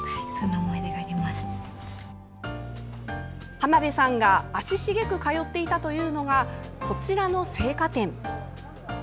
浜辺さんが足しげく通っていたというのがこちらの青果店。